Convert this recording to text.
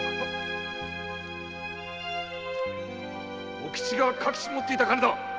茂吉が隠し持っていた金だ！